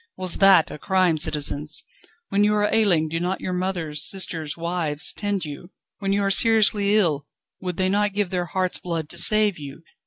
Was that a crime, citizens? When you are ailing, do not your mothers, sisters, wives tend you? when you are seriously ill, would they not give their heart's blood to save you?